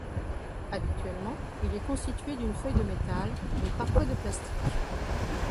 Habituellement, il est constitué d'une feuille de métal, mais parfois de plastique.